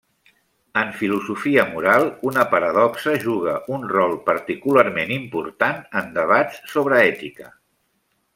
En filosofia moral una paradoxa juga un rol particularment important en debats sobre ètica.